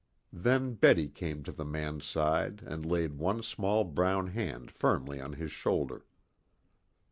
Then Betty came to the man's side and laid one small brown hand firmly on his shoulder.